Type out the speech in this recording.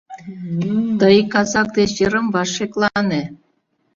— Тый казак деч йырымваш шеклане.